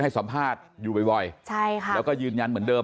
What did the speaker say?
ให้สัมภาษณ์อยู่บ่อยใช่ค่ะแล้วก็ยืนยันเหมือนเดิม